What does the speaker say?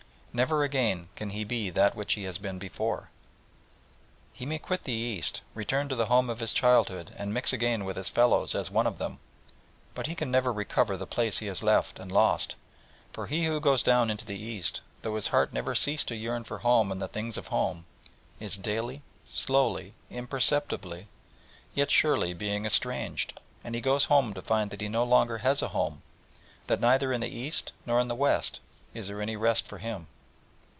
Never again can he be that which he has been before. He may quit the East, return to the home of his childhood and mix again with his fellows as one of them, but he can never recover the place he has left and lost, for he who goes down into the East, though his heart never cease to yearn for home and the things of home, is daily, slowly, imperceptibly, yet surely, being estranged, and he goes home to find that he no longer has a home, that neither in the East nor in the West, is there any rest for him.